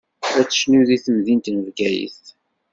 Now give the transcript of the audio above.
Ad tecnu di temdint n Bgayet.